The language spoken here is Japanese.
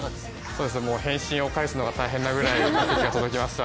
返信を返すのが大変なぐらい、メッセージが届きました。